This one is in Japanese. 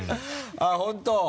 あっ本当。